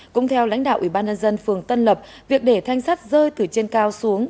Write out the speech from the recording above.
cũng theo lãnh đạo ủy ban nhân dân phường tân lập việc để thanh sắt rơi từ trên cao xuống